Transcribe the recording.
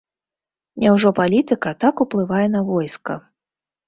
Няўжо палітыка так уплывае на войска?